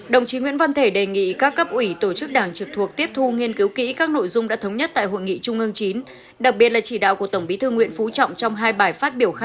đồng chí nguyễn văn thể đề nghị các cấp ủy tổ chức đảng trực thuộc tiếp thu nghiên cứu kỹ các nội dung đã thống nhất